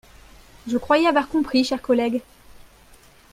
Je croyais avoir compris, chers collègues